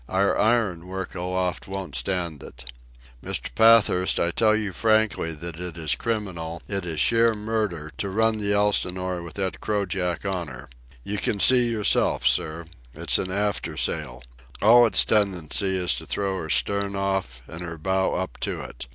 Our iron work aloft won't stand it. Mr. Pathurst, I tell you frankly that it is criminal, it is sheer murder, to run the Elsinore with that crojack on her. You can see yourself, sir. It's an after sail. All its tendency is to throw her stern off and her bow up to it.